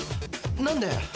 何で？